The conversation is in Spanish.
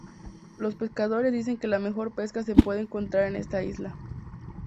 Los pescadores dicen que la mejor pesca se puede encontrar en esta isla.